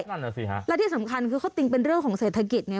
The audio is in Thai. นั่นแหละสิฮะและที่สำคัญคือเขาติงเป็นเรื่องของเศรษฐกิจไง